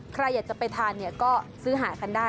ใครอยากจะไปทานก็ซื้อหาคันได้